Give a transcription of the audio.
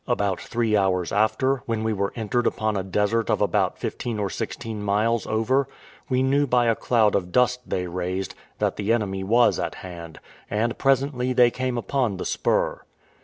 About three hours after, when we were entered upon a desert of about fifteen or sixteen miles over, we knew by a cloud of dust they raised, that the enemy was at hand, and presently they came on upon the spur.